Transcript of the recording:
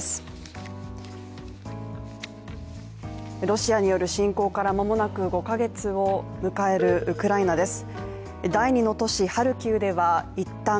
ロシアによる侵攻から間もなく５カ月を迎えるウクライナです。